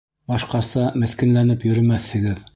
Башҡаса меҫкенләнеп йөрөмәҫһегеҙ.